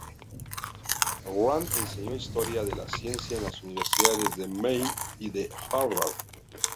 Grant enseñó historia de la ciencia en las universidades de Maine y de Harvard.